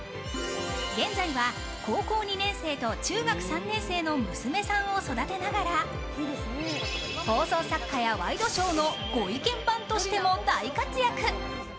現在は、高校２年生と中学３年生の娘さんを育てながら放送作家やワイドショーのご意見番としても大活躍。